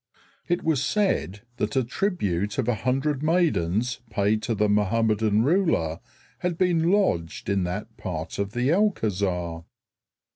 It was said that a tribute of a hundred maidens paid to the Mohammedan ruler had been lodged in that part of the Alcázar.